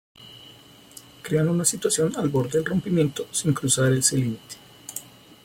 Crean una situación al borde del rompimiento, sin cruzar ese límite.